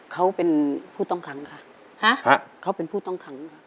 เขาเป็นผู้ต้องขังค่ะเขาเป็นผู้ต้องขังค่ะ